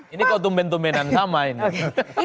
ini kok tumben tumbedan sama ini